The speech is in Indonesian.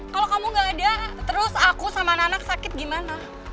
kalau kamu gak ada terus aku sama anak anak sakit gimana